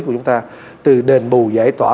của chúng ta từ đền bù giải tỏa